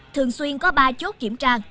thường xuyên có ba chốt kiểm tra